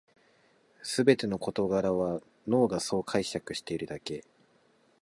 すべての事柄は脳がそう解釈しているだけ